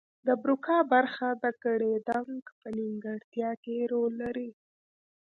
د بروکا برخه د ګړیدنګ په نیمګړتیا کې رول لري